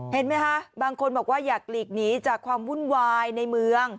เห็นไหมคะบางคนบอกว่าอยากหลีกหนีจากความวุ่นวายในเมือง